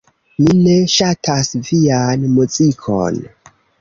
Mi ne ŝatas vian muzikon.